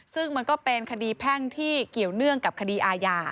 ซึ่งมันก็เป็นคดีแพ่งที่เกี่ยวเนื่องกับคดีอาญา